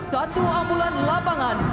satu ambulans lapangan